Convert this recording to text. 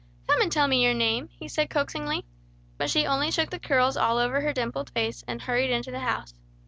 "Come and tell me your name," he said coaxingly. But she only shook the curls all over her dimpled face, and hurried into the house.